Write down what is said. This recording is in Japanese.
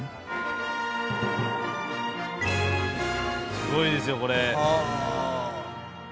「すごいですよこれ」